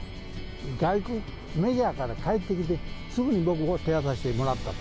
外国で、メジャーから帰ってきて、すぐに僕に手渡してもらったと。